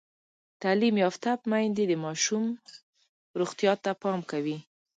تعلیم یافته میندې د ماشوم روغتیا ته پام کوي۔